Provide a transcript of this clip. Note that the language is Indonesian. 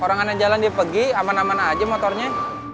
orang aneh jalan dia pergi aman aman aja motornya